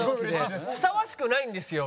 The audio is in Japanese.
ふさわしくないんですよ